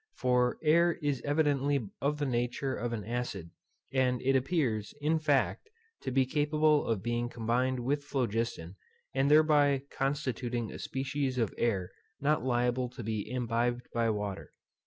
For fixed air is evidently of the nature of an acid; and it appears, in fact, to be capable of being combined with phlogiston, and thereby of constituting a species of air not liable to be imbibed by water.